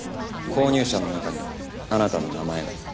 購入者の中にあなたの名前が。